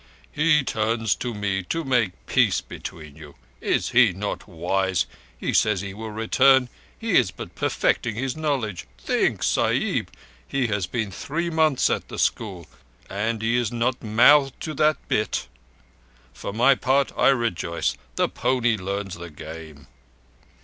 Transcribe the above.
"He turns to me to make a peace between you. Is he not wise? He says he will return. He is but perfecting his knowledge. Think, Sahib! He has been three months at the school. And he is not mouthed to that bit. For my part, I rejoice. The pony learns the game."